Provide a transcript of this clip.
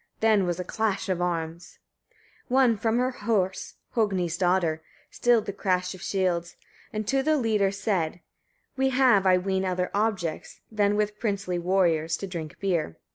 then was a clash of arms! 17. One from her horse, Hogni's daughter, stilled the crash of shields, and to the leader said: "We have, I ween, other objects than with princely warriors to drink beer.